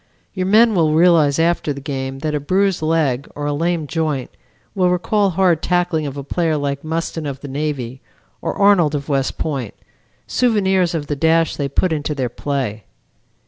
Your men will realize after the game that a bruised leg or a lame joint will recall hard tackling of a player like Mustin of the Navy, or Arnold of West Point, souvenirs of the dash they put into their play.